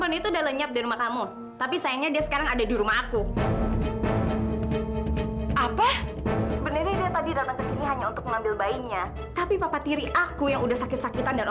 punjangan hati sendiri